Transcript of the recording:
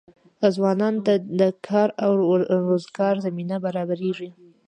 ځوانانو ته د کار او روزګار زمینه برابریږي.